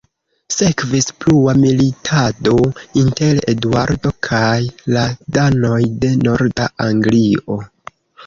Sekvis plua militado inter Eduardo kaj la danoj de norda Anglio.